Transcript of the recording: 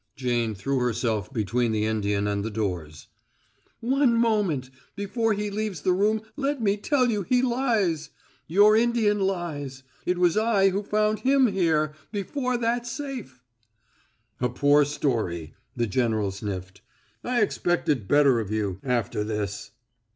Jane threw herself between the Indian and the doors. "One moment before he leaves the room let me tell you he lies? Your Indian lies. It was I who found him here before that safe!" "A poor story," the general sniffed. "I expected better of you after this."